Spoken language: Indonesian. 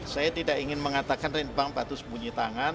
saya tidak ingin mengatakan rintang batu sembunyi tangan